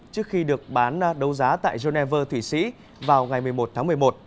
trước khi được bán đấu giá tại geneva thụy sĩ vào ngày một mươi một tháng một mươi một